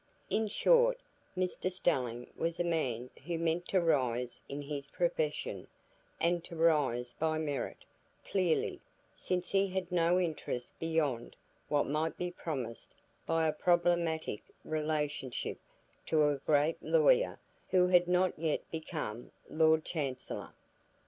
In short, Mr Stelling was a man who meant to rise in his profession, and to rise by merit, clearly, since he had no interest beyond what might be promised by a problematic relationship to a great lawyer who had not yet become Lord Chancellor.